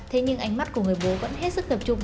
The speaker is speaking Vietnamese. thế nhưng ánh mắt của người bố vẫn hết sức tập trung